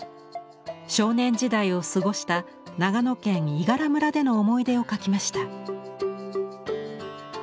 少年時代を過ごした長野県伊賀良村での思い出を描きました。